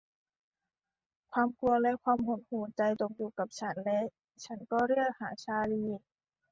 ความกลัวและความหดหู่ใจตกอยู่กับฉันและฉันก็เรียกหาชาร์ลี